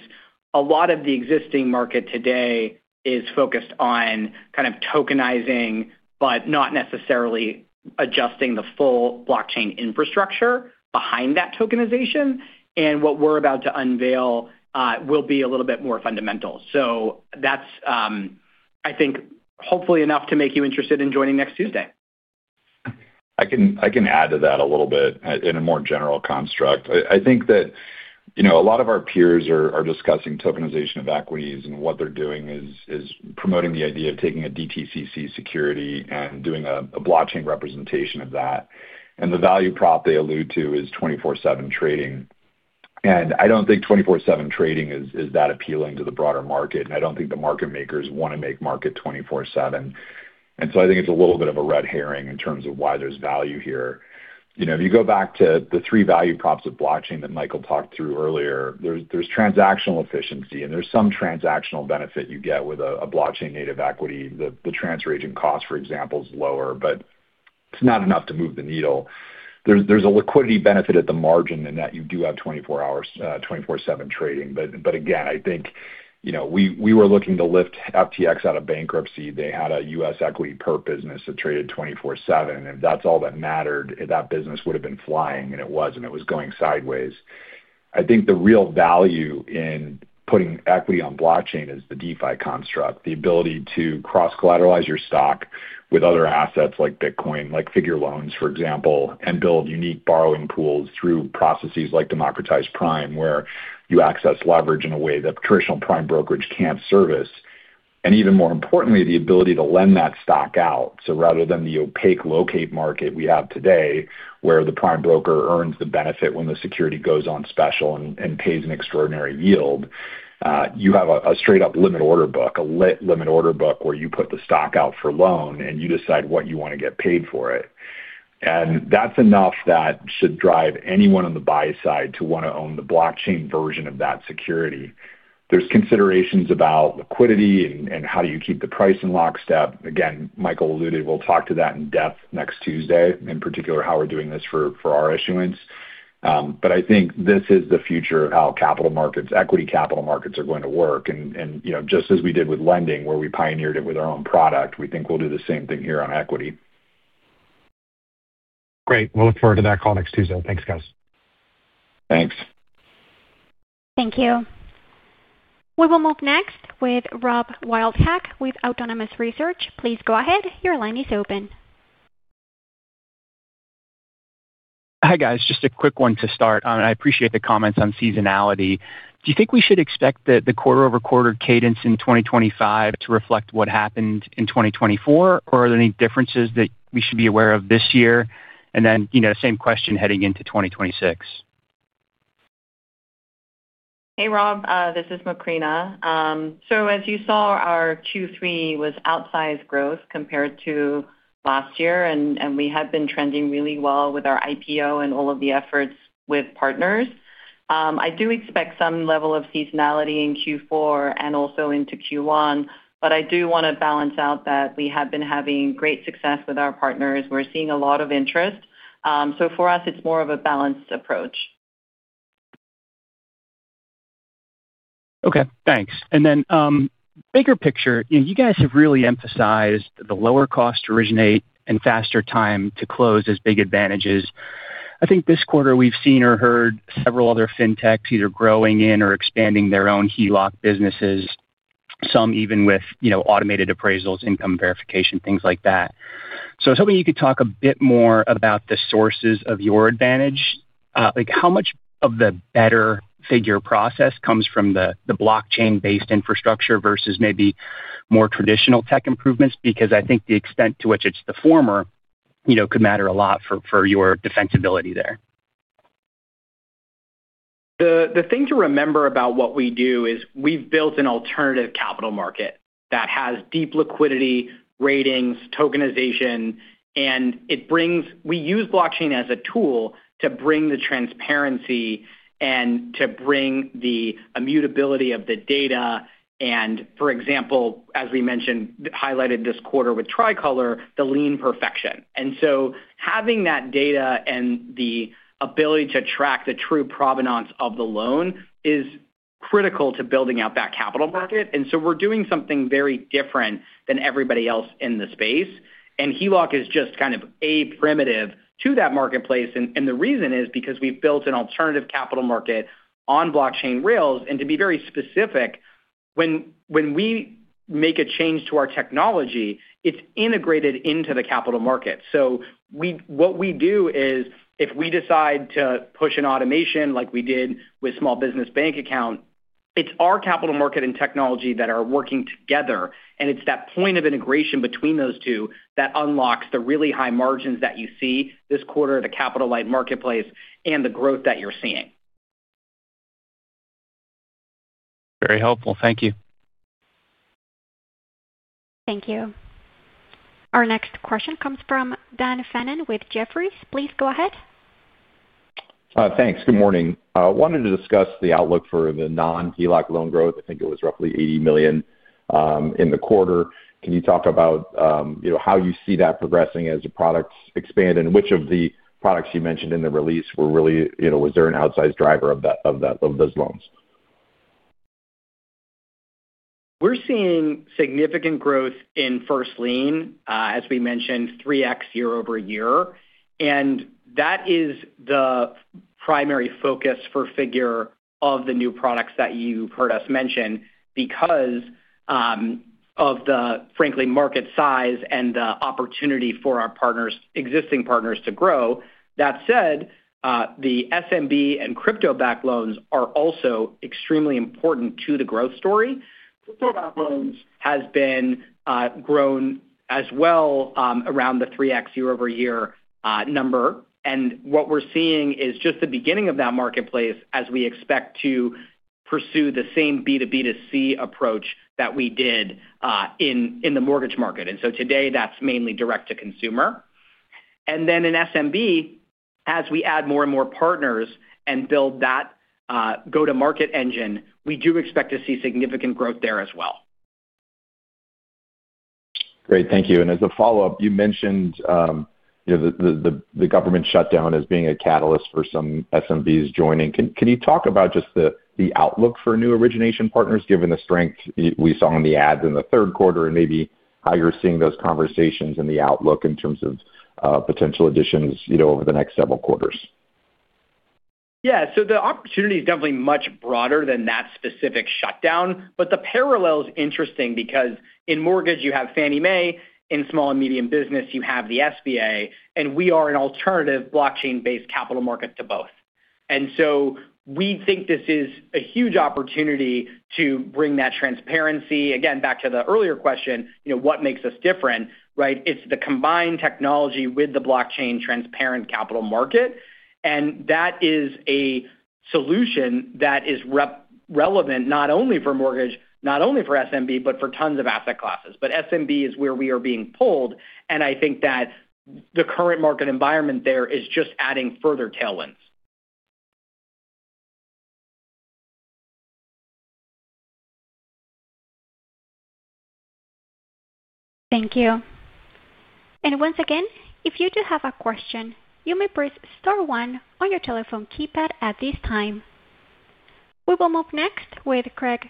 [SPEAKER 3] a lot of the existing market today is focused on kind of tokenizing, but not necessarily adjusting the full blockchain infrastructure behind that tokenization. What we're about to unveil will be a little bit more fundamental. I think, hopefully, that's enough to make you interested in joining next Tuesday.
[SPEAKER 4] I can add to that a little bit in a more general construct. I think that a lot of our peers are discussing tokenization of equities, and what they're doing is promoting the idea of taking a DTCC security and doing a blockchain representation of that. The value prop they allude to is 24/7 trading. I don't think 24/7 trading is that appealing to the broader market, and I don't think the market makers want to make market 24/7. I think it's a little bit of a red herring in terms of why there's value here. If you go back to the three value props of blockchain that Michael talked through earlier, there's transactional efficiency, and there's some transactional benefit you get with a blockchain native equity. The transfer agent cost, for example, is lower, but it's not enough to move the needle. There's a liquidity benefit at the margin in that you do have 24/7 trading. Again, I think we were looking to lift FTX out of bankruptcy. They had a U.S. equity perp business that traded 24/7. If that's all that mattered, that business would have been flying, and it wasn't. It was going sideways. I think the real value in putting equity on blockchain is the DeFi construct, the ability to cross-collateralize your stock with other assets like Bitcoin, like Figure loans, for example, and build unique borrowing pools through processes like Democratized Prime, where you access leverage in a way that traditional prime brokerage can't service. Even more importantly, the ability to lend that stock out. Rather than the opaque locate market we have today, where the prime broker earns the benefit when the security goes on special and pays an extraordinary yield, you have a straight-up limit order book, a limit order book where you put the stock out for loan, and you decide what you want to get paid for it. That is enough that should drive anyone on the buy side to want to own the blockchain version of that security. There's considerations about liquidity and how do you keep the price in lockstep. Again, Michael alluded, we'll talk to that in depth next Tuesday, in particular how we're doing this for our issuance. I think this is the future of how capital markets, equity capital markets are going to work. Just as we did with lending, where we pioneered it with our own product, we think we'll do the same thing here on equity.
[SPEAKER 9] Great. We'll look forward to that call next Tuesday. Thanks, guys.
[SPEAKER 4] Thanks.
[SPEAKER 1] Thank you. We will move next with Rob Wildhack with Autonomous Research. Please go ahead. Your line is open.
[SPEAKER 10] Hi, guys. Just a quick one to start. I appreciate the comments on seasonality. Do you think we should expect the quarter-over-quarter cadence in 2025 to reflect what happened in 2024, or are there any differences that we should be aware of this year? The same question heading into 2026.
[SPEAKER 5] Hey, Rob. This is Macrina. As you saw, our Q3 was outsized growth compared to last year, and we have been trending really well with our IPO and all of the efforts with partners. I do expect some level of seasonality in Q4 and also into Q1, but I do want to balance out that we have been having great success with our partners. We are seeing a lot of interest. For us, it is more of a balanced approach.
[SPEAKER 10] Okay. Thanks. Bigger picture, you guys have really emphasized the lower cost to originate and faster time to close as big advantages. I think this quarter we've seen or heard several other fintechs either growing in or expanding their own HELOC businesses, some even with automated appraisals, income verification, things like that. I was hoping you could talk a bit more about the sources of your advantage. How much of the better Figure process comes from the blockchain-based infrastructure versus maybe more traditional tech improvements? I think the extent to which it's the former could matter a lot for your defensibility there.
[SPEAKER 3] The thing to remember about what we do is we've built an alternative capital market that has deep liquidity, ratings, tokenization, and we use blockchain as a tool to bring the transparency and to bring the immutability of the data. For example, as we mentioned, highlighted this quarter with Tricolor, the lien perfection. Having that data and the ability to track the true provenance of the loan is critical to building out that capital market. We are doing something very different than everybody else in the space. HELOC is just kind of a primitive to that marketplace. The reason is because we have built an alternative capital market on blockchain rails. To be very specific, when we make a change to our technology, it is integrated into the capital market. What we do is if we decide to push an automation like we did with small business bank account, it is our capital market and technology that are working together. It is that point of integration between those two that unlocks the really high margins that you see this quarter at a capital-light marketplace and the growth that you are seeing.
[SPEAKER 10] Very helpful. Thank you.
[SPEAKER 1] Thank you. Our next question comes from Dan Fannon with Jefferies. Please go ahead.
[SPEAKER 11] Thanks. Good morning. I wanted to discuss the outlook for the non-HELOC loan growth. I think it was roughly $80 million in the quarter. Can you talk about how you see that progressing as the products expand and which of the products you mentioned in the release were really, was there an outsized driver of those loans?
[SPEAKER 3] We're seeing significant growth in First-Lien, as we mentioned, 3x year-over-year. That is the primary focus for Figure of the new products that you've heard us mention because of the, frankly, market size and the opportunity for our existing partners to grow. That said, the SMB and crypto-backed loans are also extremely important to the growth story. Crypto-backed loans have been grown as well around the 3x year-over-year number. What we're seeing is just the beginning of that marketplace as we expect to pursue the same B2B2C approach that we did in the mortgage market. Today, that's mainly direct-to-consumer. In SMB, as we add more and more partners and build that go-to-market engine, we do expect to see significant growth there as well.
[SPEAKER 11] Great. Thank you. As a follow-up, you mentioned the government shutdown as being a catalyst for some SMBs joining. Can you talk about just the outlook for new origination partners, given the strength we saw in the ads in the third quarter and maybe how you're seeing those conversations and the outlook in terms of potential additions over the next several quarters?
[SPEAKER 3] Yeah. The opportunity is definitely much broader than that specific shutdown. The parallel is interesting because in mortgage, you have Fannie Mae. In small and medium business, you have the SBA. We are an alternative blockchain-based capital market to both. We think this is a huge opportunity to bring that transparency. Again, back to the earlier question, what makes us different, right? It is the combined technology with the blockchain transparent capital market. That is a solution that is relevant not only for mortgage, not only for SMB, but for tons of asset classes. SMB is where we are being pulled. I think that the current market environment there is just adding further tailwinds.
[SPEAKER 1] Thank you. Once again, if you do have a question, you may press star one on your telephone keypad at this time. We will move next with Craig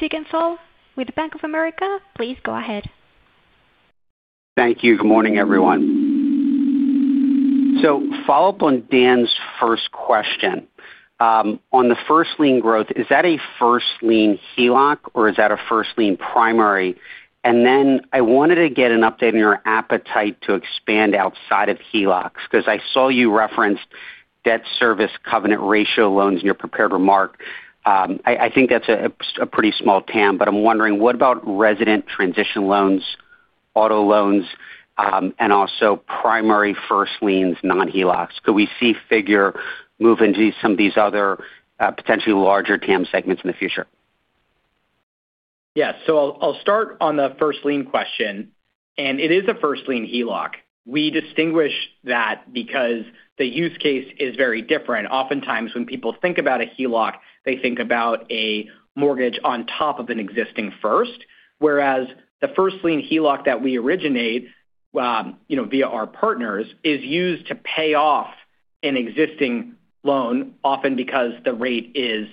[SPEAKER 1] Siegenthaler with Bank of America. Please go ahead.
[SPEAKER 12] Thank you. Good morning, everyone. Follow-up on Dan's first question. On the first-lien growth, is that a first-lien HELOC, or is that a first-lien primary? I wanted to get an update on your appetite to expand outside of HELOCs because I saw you referenced debt service covenant ratio loans in your prepared remark. I think that's a pretty small TAM. I'm wondering, what about resident transition loans, auto loans, and also primary first-liens non-HELOCs? Could we see Figure move into some of these other potentially larger TAM segments in the future?
[SPEAKER 3] Yes. I'll start on the first-lien question. It is a first-lien HELOC. We distinguish that because the use case is very different. Oftentimes, when people think about a HELOC, they think about a mortgage on top of an existing first, whereas the first-lien HELOC that we originate via our partners is used to pay off an existing loan, often because the rate is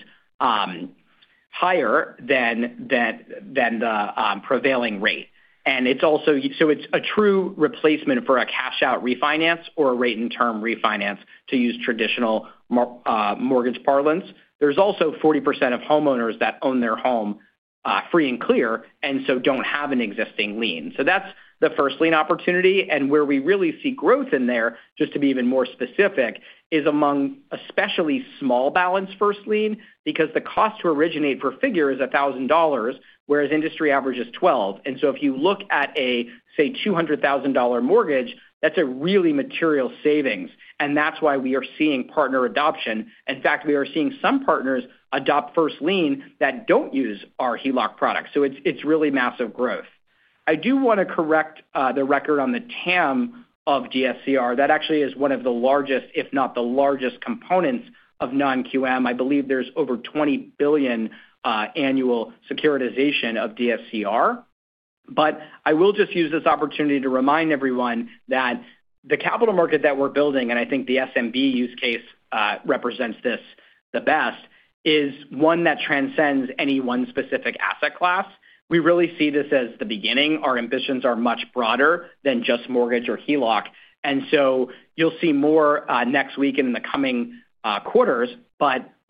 [SPEAKER 3] higher than the prevailing rate. It is a true replacement for a cash-out refinance or a rate-in-term refinance to use traditional mortgage parlance. There is also 40% of homeowners that own their home free and clear and do not have an existing lien. That is the first-lien opportunity. Where we really see growth in there, just to be even more specific, is among especially small balance first-lien because the cost to originate for Figure is $1,000, whereas industry average is $12,000. If you look at a, say, $200,000 mortgage, that is a really material savings. That is why we are seeing partner adoption. In fact, we are seeing some partners adopt first-lien that do not use our HELOC product. It is really massive growth. I do want to correct the record on the TAM of DSCR. That actually is one of the largest, if not the largest, components of non-QM. I believe there is over $20 billion annual securitization of DSCR. I will just use this opportunity to remind everyone that the capital market that we are building, and I think the SMB use case represents this the best, is one that transcends any one specific asset class. We really see this as the beginning. Our ambitions are much broader than just mortgage or HELOC. You will see more next week and in the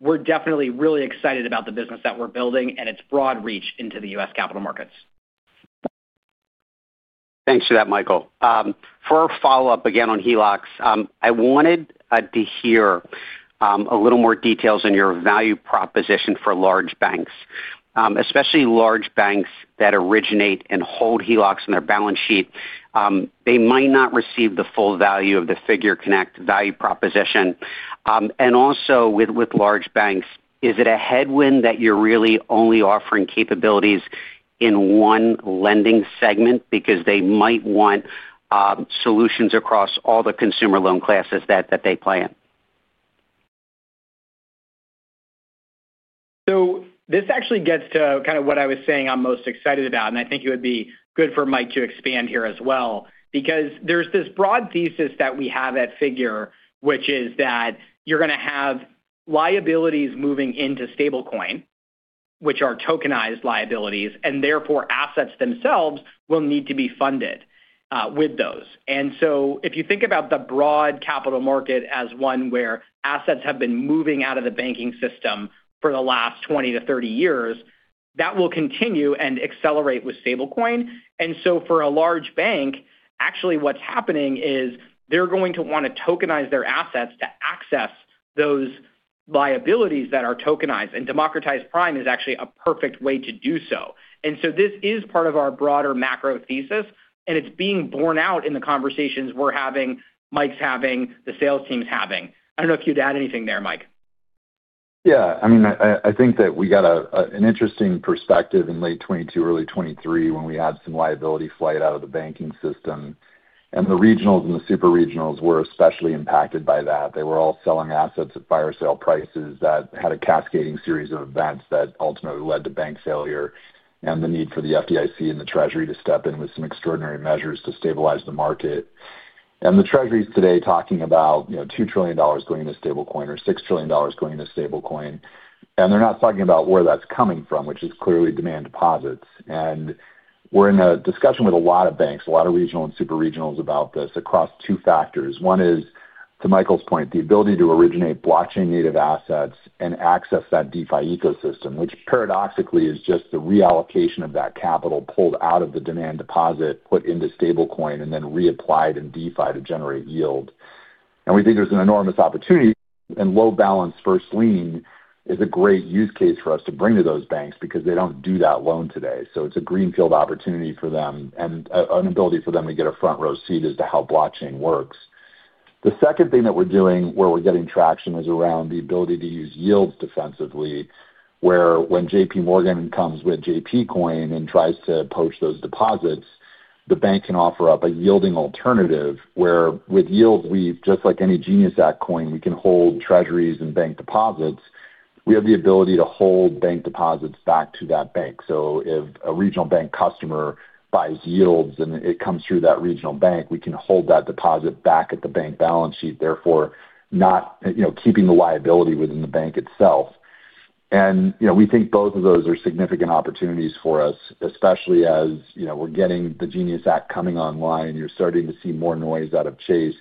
[SPEAKER 3] coming quarters. We are definitely really excited about the business that we are building and its broad reach into the U.S. capital markets.
[SPEAKER 12] Thanks for that, Michael. For our follow-up again on HELOCs, I wanted to hear a little more details on your value proposition for large banks, especially large banks that originate and hold HELOCs on their balance sheet. They might not receive the full value of the Figure Connect value proposition. Also with large banks, is it a headwind that you're really only offering capabilities in one lending segment because they might want solutions across all the consumer loan classes that they plan?
[SPEAKER 3] This actually gets to kind of what I was saying I'm most excited about. I think it would be good for Mike to expand here as well because there's this broad thesis that we have at Figure, which is that you're going to have liabilities moving into stablecoin, which are tokenized liabilities, and therefore assets themselves will need to be funded with those. If you think about the broad capital market as one where assets have been moving out of the banking system for the last 20-30 years, that will continue and accelerate with stablecoin. For a large bank, actually what's happening is they're going to want to tokenize their assets to access those liabilities that are tokenized. Democratized Prime is actually a perfect way to do so. This is part of our broader macro thesis. It's being borne out in the conversations we're having, Mike's having, the sales team's having. I don't know if you'd add anything there, Mike.
[SPEAKER 4] Yeah. I mean, I think that we got an interesting perspective in late 2022, early 2023 when we had some liability flight out of the banking system. The regionals and the super regionals were especially impacted by that. They were all selling assets at buyer sale prices that had a cascading series of events that ultimately led to bank failure and the need for the FDIC and the Treasury to step in with some extraordinary measures to stabilize the market. The Treasury is today talking about $2 trillion going into stablecoin or $6 trillion going into stablecoin. They are not talking about where that is coming from, which is clearly demand deposits. We are in a discussion with a lot of banks, a lot of regional and super regionals about this across two factors. One is, to Michael's point, the ability to originate blockchain-native assets and access that DeFi ecosystem, which paradoxically is just the reallocation of that capital pulled out of the demand deposit, put into stablecoin, and then reapplied in DeFi to generate yield. We think there is an enormous opportunity. Low-balance first-lien is a great use case for us to bring to those banks because they do not do that loan today. It is a greenfield opportunity for them and an ability for them to get a front-row seat as to how blockchain works. The second thing that we are doing where we are getting traction is around the ability to use YLDS defensively, where when JP Morgan comes with JPM Coin and tries to poach those deposits, the bank can offer up a yielding alternative where with YLDS, just like any GENIUS Act coin, we can hold treasuries and bank deposits. We have the ability to hold bank deposits back to that bank. If a regional bank customer buys YLDS and it comes through that regional bank, we can hold that deposit back at the bank balance sheet, therefore not keeping the liability within the bank itself. We think both of those are significant opportunities for us, especially as we're getting the GENIUS Act coming online. You're starting to see more noise out of Chase.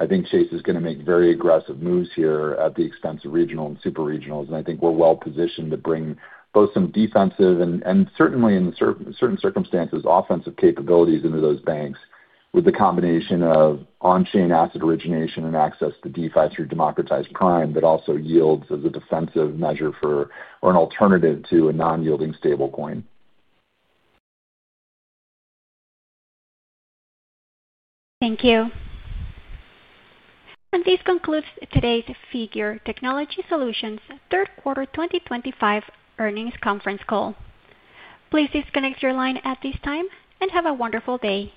[SPEAKER 4] I think Chase is going to make very aggressive moves here at the expense of regional and super regionals. I think we're well-positioned to bring both some defensive and certainly in certain circumstances, offensive capabilities into those banks with the combination of on-chain asset origination and access to DeFi through Democratized Prime, but also YLDS as a defensive measure for or an alternative to a non-yielding stablecoin.
[SPEAKER 1] Thank you. This concludes today's Figure Technology Solutions third quarter 2025 earnings conference call. Please disconnect your line at this time and have a wonderful day. Good.